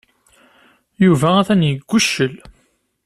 Yuba atan yegguccel.